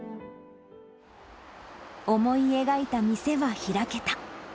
思い描いた店は開けた。